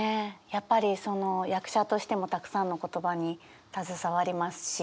やっぱりその役者としてもたくさんの言葉に携わりますし。